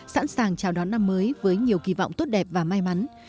sẵn sàng chào đón năm mới với nhiều kỳ vọng tốt đẹp và may mắn